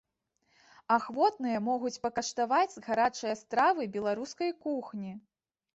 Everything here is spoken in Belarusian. Ахвотныя могуць пакаштаваць гарачыя стравы беларускай кухні.